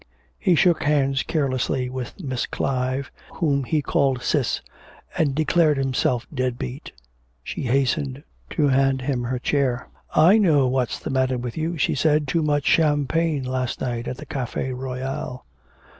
He shook hands carelessly with Miss Clive, whom he called Cis, and declared himself dead beat. She hastened to hand him her chair. 'I know what's the matter with you,' she said, 'too much champagne last night at the Cafe Royal.'